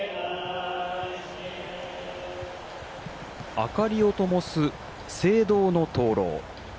明かりをともす青銅の灯籠。